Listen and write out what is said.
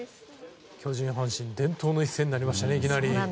巨人と阪神伝統の一戦になりましたね。